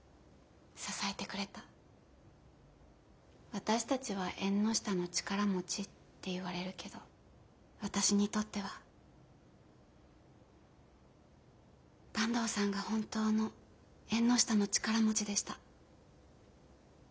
私たちは縁の下の力持ちっていわれるけど私にとっては坂東さんが本当の縁の下の力持ちでした。